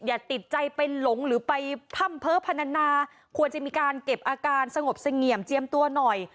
อย่าติดใจไปหลงหรือไปพ่ำเพ้อพนานาควรจะมีการเก็บอาการสงบเสงี่ยมเจียมตัวหน่อย